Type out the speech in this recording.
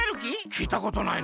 きいたことないな。